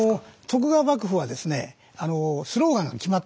徳川幕府はですねスローガンが決まってましてね。